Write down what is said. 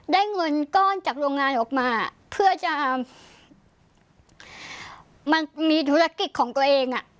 เงินก้อนจากโรงงานออกมาเพื่อจะมันมีธุรกิจของตัวเองอ่ะ